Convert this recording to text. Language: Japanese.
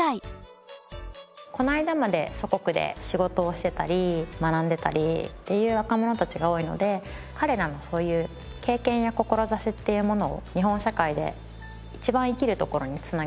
この間まで祖国で仕事をしていたり学んでいたりっていう若者たちが多いので彼らのそういう経験や志っていうものを日本社会で一番生きるところに繋げていく。